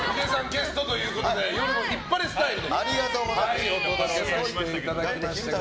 ゲストということで「夜もヒッパレ」スタイルでお届けさせていただきました。